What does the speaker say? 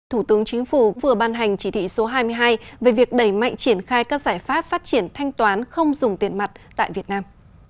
thủ tướng chính phủ vừa ban hành chỉ thị số hai mươi hai về việc đẩy mạnh triển khai các giải pháp phát triển thanh toán không dùng tiền mặt tại việt nam